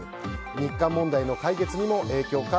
日韓問題の解決にも影響か。